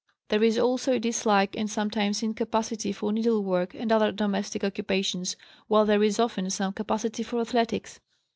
There is also a dislike and sometimes incapacity for needlework and other domestic occupations, while there is often some capacity for athletics.